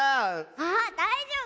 あだいじょうぶ。